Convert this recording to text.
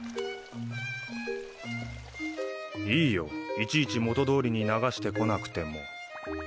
いちいち元通りに流してこなくても。